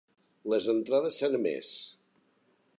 Les entrades s'han emès.